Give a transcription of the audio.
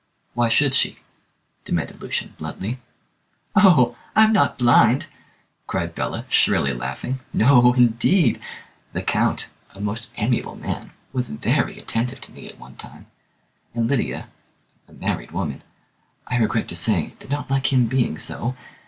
"Why should she?" demanded Lucian bluntly. "Oh, I'm not blind!" cried Bella, shrilly laughing. "No, indeed. The Count a most amiable man was very attentive to me at one time; and Lydia a married woman I regret to say, did not like him being so.